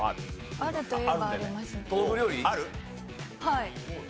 はい。